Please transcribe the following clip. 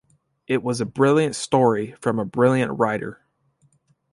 It was a brilliant story from a brilliant writer.